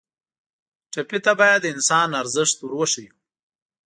ټپي ته باید د انسان ارزښت ور وښیو.